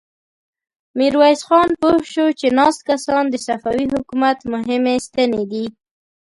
ميرويس خان پوه شو چې ناست کسان د صفوي حکومت مهمې ستنې دي.